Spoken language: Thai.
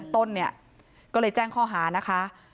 ต้นเนี่ยก็เลยแจ้งข้อหานะคะ